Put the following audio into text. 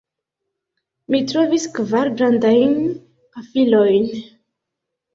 Mi trovis kvar grandajn pafilojn.